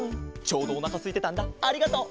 ちょうどおなかすいてたんだありがとう。